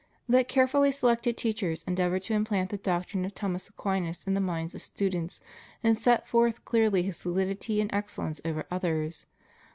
Let carefully selected teachers endeavor to implant the doctrine of Thomas Aquinas in the minds of students, and set forth clearly his solidity and excellence over others.